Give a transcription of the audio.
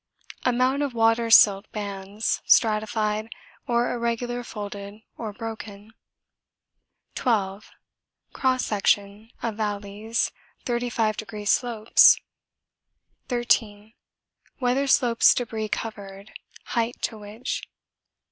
Amount of water silt bands, stratified, or irregular folded or broken. 12. Cross section, of valleys 35° slopes? 13. Weather slopes debris covered, height to which.